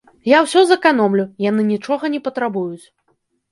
Я ўсё зэканомлю, яны нічога не патрабуюць.